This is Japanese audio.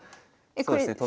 そうですね